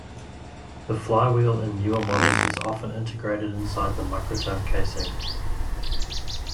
The flywheel in newer models is often integrated inside the microtome casing.